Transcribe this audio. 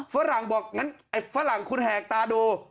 ฝรั่งบอกงั้นไอ้ฝรั่งคุณแหกตาดู